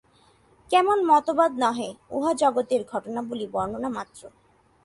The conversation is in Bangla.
কোন মতবাদ নহে, উহা জগতের ঘটনাবলী বর্ণনামাত্র।